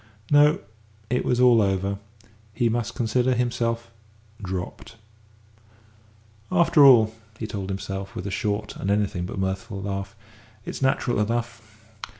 No, it was all over; he must consider himself dropped. "After all," he told himself, with a short and anything but mirthful laugh, "it's natural enough.